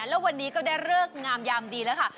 แล้ววันนี้ก็ได้เลิกงามยามดีแล้วค่ะ